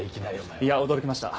いや驚きました！